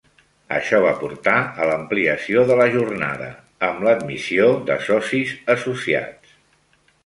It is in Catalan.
Això va portar a l'ampliació de la jornada, amb l'admissió de socis associats.